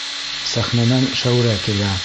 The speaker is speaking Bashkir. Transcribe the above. Сәхнәнән Шәүрә килә.